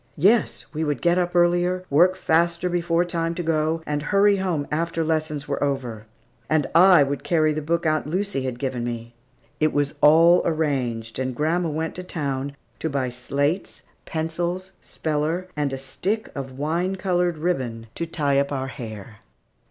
Yes, we would get up earlier, work faster before time to go, and hurry home after lessons were over. And I would carry the book Aunt Lucy had given me. It was all arranged, and grandma went to town to buy slates, pencils, speller, and a stick of wine colored ribbon to tie up our hair.